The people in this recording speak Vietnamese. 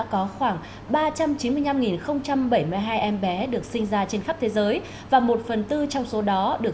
có khoảng ba trăm chín mươi năm bảy mươi hai em bé được sinh ra trên khắp thế giới và một phần tư trong số đó được